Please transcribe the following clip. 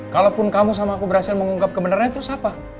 kalaupun kamu sama aku berhasil mengungkap kebenarannya terus apa